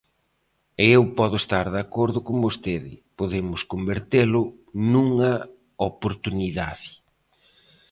E eu podo estar de acordo con vostede, podemos convertelo nunha oportunidade.